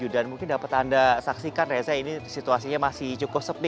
dan mungkin dapat anda saksikan reza ini situasinya masih cukup sepi